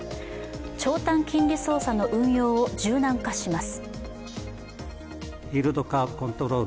長短金利操作の運用を柔軟化します。